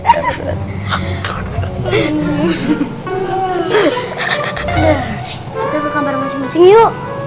kita ke kamar masing masing yuk